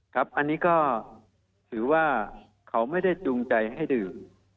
ครับอันนี้ก็ถือว่าเขาไม่ได้จูงใจให้ดื่ม